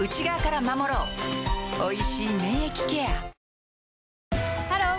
おいしい免疫ケアハロー！